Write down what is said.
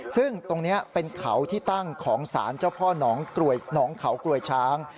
ซึ่งตรงนี้เป็นเขาที่ตั้งของสารเจ้าพ่อหนองเขากลวยช้าง